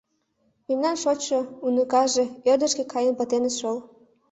Мемнан шочшо-уныканаже ӧрдыжкӧ каен пытеныт шол.